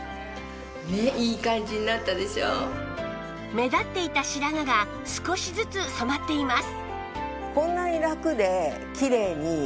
目立っていた白髪が少しずつ染まっています